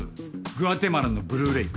グアテマラのブルーレイク。